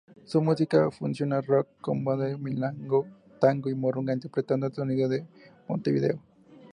Su música fusiona rock, candombe, milonga, tango y murga, interpretando el sonido de Montevideo.